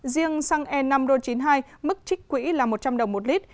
riêng xăng e năm ro chín mươi hai mức trích quỹ là một trăm linh đồng một lít